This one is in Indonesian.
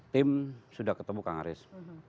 tim sudah ketemu kang aris